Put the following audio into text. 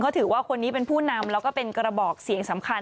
ถือว่าคนนี้เป็นผู้นำแล้วก็เป็นกระบอกเสียงสำคัญ